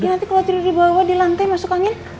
nanti kalau tidur di bawah di lantai masuk angin